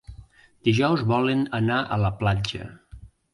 Dijous volen anar a la platja.